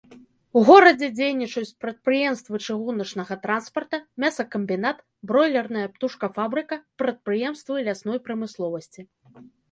У горадзе дзейнічаюць прадпрыемствы чыгуначнага транспарта, мясакамбінат, бройлерная птушкафабрыка, прадпрыемствы лясной прамысловасці.